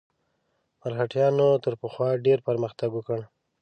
مرهټیانو تر پخوا ډېر پرمختګ وکړ.